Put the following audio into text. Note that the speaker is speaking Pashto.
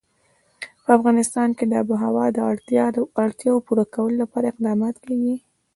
په افغانستان کې د آب وهوا د اړتیاوو پوره کولو لپاره اقدامات کېږي.